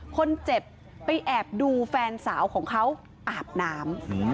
คนเจ็บไปแอบดูแฟนสาวของเขาอาบน้ำ